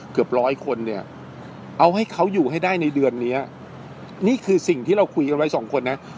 เกือบร้อยคนเนี่ยเอาให้เขาอยู่ให้ได้ในเดือนเนี้ยนี่คือสิ่งที่เราคุยกันไว้สองคนนะ